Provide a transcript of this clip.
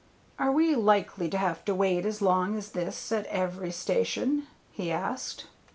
"Are we likely to have to wait as long as this at every station?" he asked.